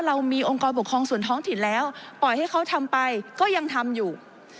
เรามีองค์กรปกครองส่วนท้องถิ่นแล้วปล่อยให้เขาทำไปก็ยังทำอยู่